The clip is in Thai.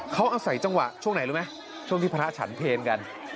เขาเอาใส่จังหวะช่วงไหนดูประเทศกาลไวที่พระอาจฉันเฟนกัน